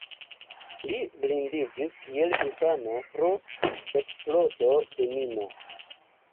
Li blindiĝis kiel infano pro eksplodo de mino.